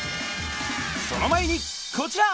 その前にこちら！